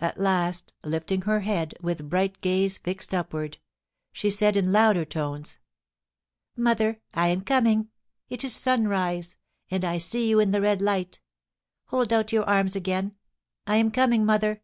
At last, lifting her head, with bright gaze fixed upward, she said in louder tones :' Mother ! I am coming. It is sunrise, and I see you in the red light Holdout your arms again. I am coming, mother!'